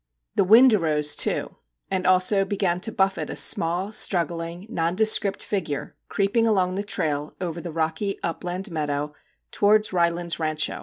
The wind arose too, and also began to buffet a small, struggling, nondescript figure, creeping along the trail over the rocky upland meadow to wards Ry land's rancho.